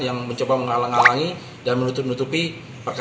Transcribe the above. yang mencoba menghalangi dan menutupi perkara ini